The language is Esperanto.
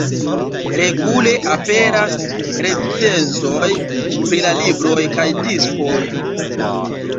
Regule aperas recenzoj pri la libroj kaj diskoj.